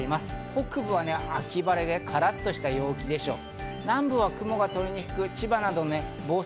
北部は秋晴れ、カラッとした陽気でしょう。